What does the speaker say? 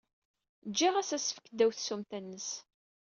Jjiɣ-as asefk ddaw tsumta-nnes.